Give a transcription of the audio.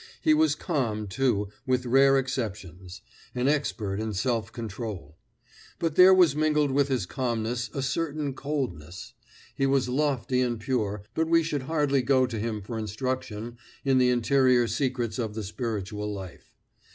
He was calm, too, with rare exceptions; an expert in self control. But there was mingled with his calmness a certain coldness. He was lofty and pure, but we should hardly go to him for instruction in the interior secrets of the spiritual life.